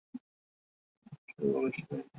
ভয় শুধু পুলিশেরই।